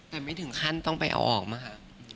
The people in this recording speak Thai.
แต่ไม่ถึงขั้นต้องไปเอาออกมาค่ะ